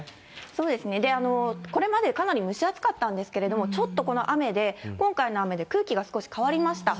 そうですね、これまでかなり蒸し暑かったんですが、ちょっとこの雨で、今回の雨で、空気が少し変わりました。